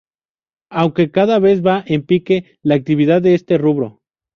Aunque cada vez va en pique la actividad de este rubro.